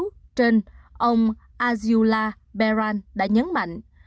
nghiên cứu trên ông azula beran đã nhấn mạnh